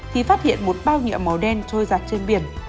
thì phát hiện một bao nhựa màu đen trôi giặt trên biển